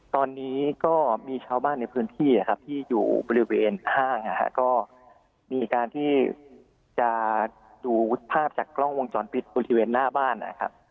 ตอนนี้ก็มีชาวบ้านในพื้นที่ที่อยู่บริเวณห้างก็มีการที่จะดูภาพจากกล้องวงจรปิดบริเวณหน้าบ้านนะครับ